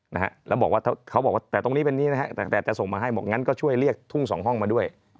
นะครับแล้วเว้นจะบอกว่าแต่แค่ตรงนี้เป็นนี้แหละแต่ส่งมาให้บอกงั้นก็ช่วยเรียกทุ่งสองห้องมาด้วย